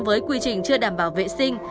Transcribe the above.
với quy trình chưa đảm bảo vệ sinh